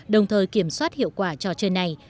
đồng thời kiểm soát hiệu quả trò chơi này